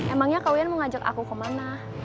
emangnya kau yang mau ngajak aku kemana